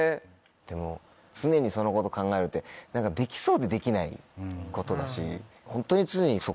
でも常にそのこと考えるって何かできそうでできないことだしホントに。